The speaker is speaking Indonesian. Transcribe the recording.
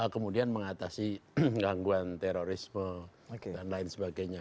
kemudian mengatasi gangguan terorisme dan lain sebagainya